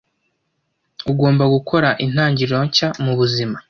Ugomba gukora intangiriro nshya mubuzima.